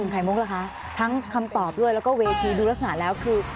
ไข่มุกล่ะคะทั้งคำตอบด้วยแล้วก็เวทีดูลักษณะแล้วคือ